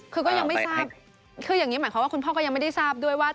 คือก็ยังไม่ทราบคืออย่างนี้หมายความว่าคุณพ่อก็ยังไม่ได้ทราบด้วยว่า